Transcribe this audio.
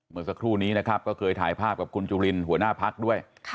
เมื่อสักครู่นี้นะครับก็เคยถ่ายภาพกับคุณจุลินหัวหน้าพักด้วย